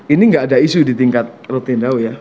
ini tidak ada isu di tingkat rotendau ya